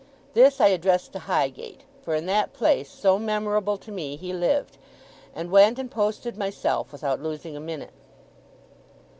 This I addressed to Highgate for in that place, so memorable to me, he lived and went and posted, myself, without losing a minute.